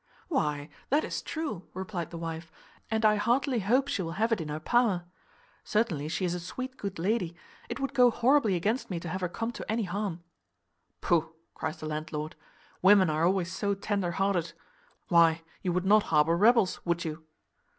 "Why, that's true," replied the wife; "and I heartily hope she will have it in her power. Certainly she's a sweet good lady; it would go horribly against me to have her come to any harm." "Pooh!" cries the landlord, "women are always so tender hearted. Why, you would not harbour rebels, would you?"